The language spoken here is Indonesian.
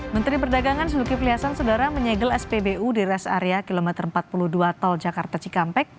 menteri perdagangan zulkifli hasan saudara menyegel spbu di res area kilometer empat puluh dua tol jakarta cikampek